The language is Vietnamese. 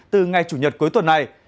từ ngày chủ nhật cuối tuần này